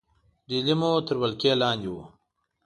ډهلی مو تر ولکې لاندې وو.